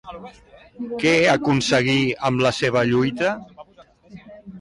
Què aconseguí amb la seva lluita?